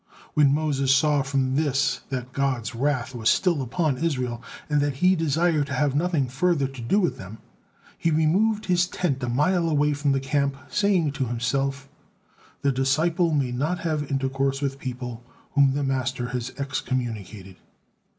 When Moses saw from this that God's wrath was still upon Israel, and that He desired to have nothing further to do with them, he removed his tent a mile away from the camp, saying to himself: "The disciple may not have intercourse with people whom the master has excommunicated."